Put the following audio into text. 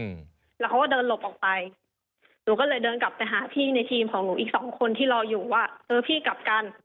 อืมแล้วเขาก็เดินหลบออกไปหนูก็เลยเดินกลับไปหาพี่ในทีมของหนูอีกสองคนที่รออยู่ว่าเออพี่กลับกัน